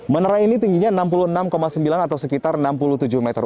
menerai ini tingginya enam puluh enam sembilan atau sekitar enam puluh tujuh meter